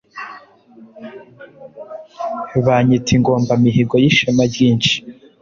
Banyita Ingombamihigo y'ishema ryinshi.